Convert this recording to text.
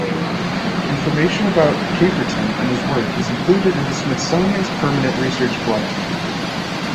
Information about Caperton and his work is included in the Smithsonian's Permanent Research Collection.